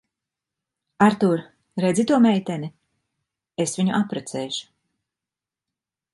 Artūr, redzi to meiteni? Es viņu apprecēšu.